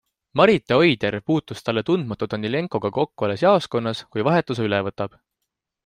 Marite Oidjärv puutus talle tundmatu Danilenkoga kokku alles jaoskonnas, kui vahetuse üle võtab.